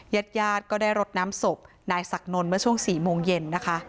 ญาติญาติก็ได้รดน้ำศพนายศักดนนท์เมื่อช่วง๔โมงเย็นนะคะ